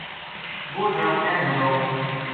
وہ جنو کہن لگو